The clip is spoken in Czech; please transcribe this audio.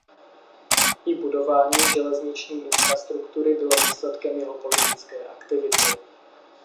I budování železniční infrastruktury bylo výsledkem jeho politické aktivity.